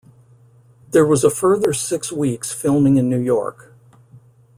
There was a further six weeks filming in New York.